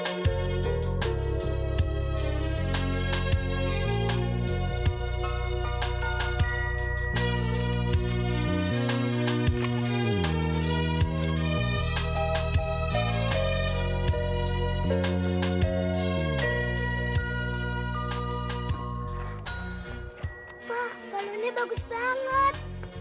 pak balonnya bagus banget